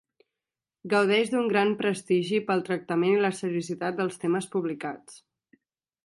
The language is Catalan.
Gaudeix d'un gran prestigi pel tractament i la seriositat dels temes publicats.